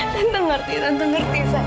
tante ngerti tante ngerti sayang